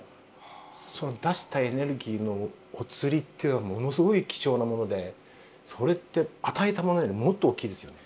その出したエネルギーのおつりというのはものすごい貴重なものでそれって与えたものよりもっと大きいですよね。